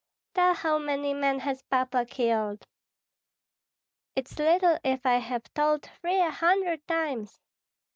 "Tell how many men has Papa killed?" "It's little if I have told thee a hundred times!